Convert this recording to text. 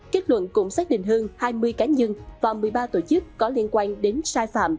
kết luận cũng xác định hơn hai mươi cá nhân và một mươi ba tổ chức có liên quan đến sai phạm